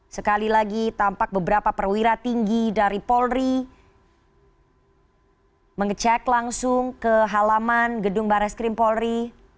sekali lagi tampak beberapa perwira tinggi dari polri mengecek langsung ke halaman gedung baris krim polri